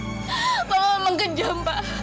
bapak memang kejam pak